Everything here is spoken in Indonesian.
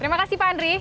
terima kasih pak andri